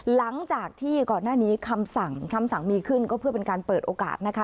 หลังจากที่ก่อนหน้านี้คำสั่งคำสั่งมีขึ้นก็เพื่อเป็นการเปิดโอกาสนะคะ